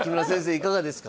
いかがですか？